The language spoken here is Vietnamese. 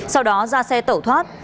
sau đó ra xe tẩu thoát